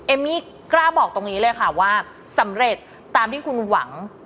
เอมมี่กล้าบอกตรงนี้เลยค่ะว่าสำเร็จตามที่คุณหวัง